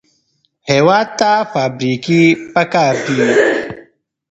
هېواد ته فابریکې پکار دي